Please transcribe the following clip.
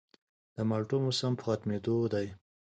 د مالټو موسم په ختمېدو دی